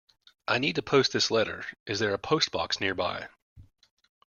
I need to post this letter. Is there a postbox nearby?